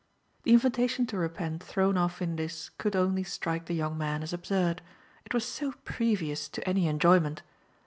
The invitation to repent thrown off in this could only strike the young man as absurd it was so previous to any enjoyment.